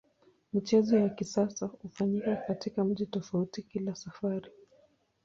Michezo ya kisasa hufanyika katika mji tofauti kila safari.